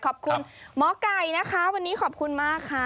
ขอบคุณหมอไก่นะคะวันนี้ขอบคุณมากค่ะ